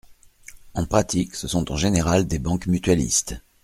En pratique, ce sont en général des banques mutualistes.